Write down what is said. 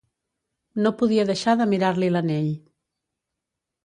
No podia deixar de mirar-li l'anell.